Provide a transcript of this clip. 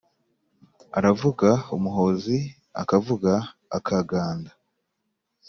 Aravuga Umuhozi akavuga Akaganda